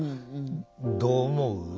どう思う？